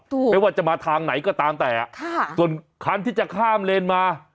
ไม่ว่าจะมาทางไหนก็ตามแต่อ่ะค่ะส่วนคันที่จะข้ามเลนมา